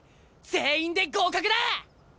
全員で合格だ！